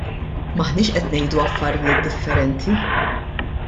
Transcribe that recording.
M'aħniex qed ngħidu affarijiet differenti.